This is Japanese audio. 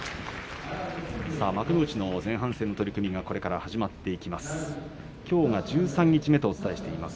幕内の前半戦の取組がこれから始まっていきます。